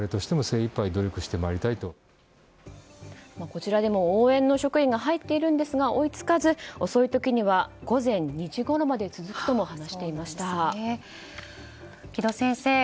こちらでも応援の職員が入っているんですが追いつかず、遅い時には午前２時ごろまで続くとも城戸先生